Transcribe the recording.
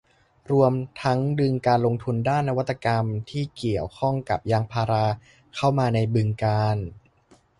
รวมทั้งดึงการลงทุนด้านนวัตกรรมที่เกี่ยวข้องกับยางพาราเข้ามาในบึงกาฬ